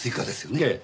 ええ。